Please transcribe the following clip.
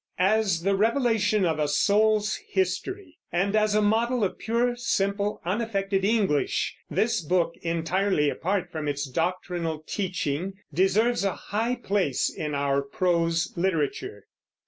As the revelation of a soul's history, and as a model of pure, simple, unaffected English, this book, entirely apart from its doctrinal teaching, deserves a high place in our prose literature.